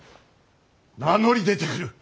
名乗り出てくる。